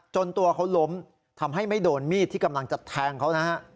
ตัวเขาล้มทำให้ไม่โดนมีดที่กำลังจะแทงเขานะฮะ